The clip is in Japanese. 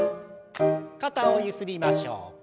肩をゆすりましょう。